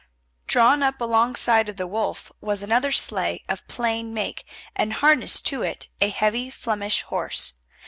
Drawn up alongside of the Wolf was another sleigh of plain make, and harnessed to it a heavy Flemish horse.